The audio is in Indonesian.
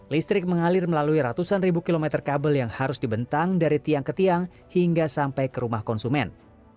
listrik mengalir melalui ratusan ribu kilometer kabel yang harus dibentang dari tiang ke tiang hingga sampai ke rumah konsumen